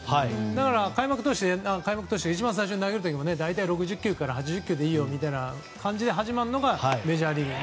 だから開幕投手というか一番最初に投げる時も大体６０球から８０球でいいよみたいな感じで始まるのがメジャーリーグ。